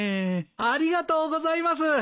ありがとうございます。